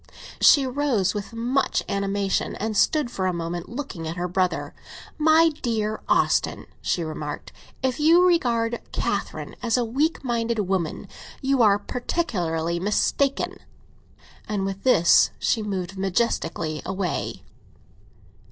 She rose with much animation, and stood for a moment looking at her brother. "My dear Austin," she remarked, "if you regard Catherine as a weak minded woman, you are particularly mistaken!" And with this she moved majestically away.